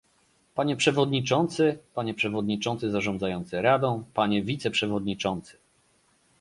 Panie przewodniczący, panie przewodniczący zarządzający radą, panie wiceprzewodniczący